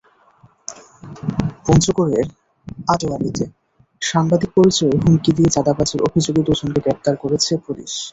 পঞ্চগড়ের আটোয়ারীতে সাংবাদিক পরিচয়ে হুমকি দিয়ে চাঁদাবাজির অভিযোগে দুজনকে গ্রেপ্তার করেছে পুলিশ।